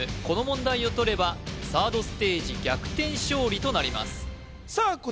この問題をとればサードステージ逆転勝利となりますさあ